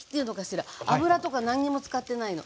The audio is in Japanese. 油とか何にも使ってないの。